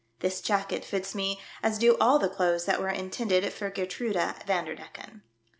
This jacket fits me as do all the clothes that were inten ded for Geertruida Vanderdecken."